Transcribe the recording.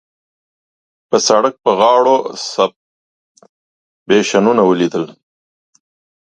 په سړک په غاړو سټیشنونه وليدل.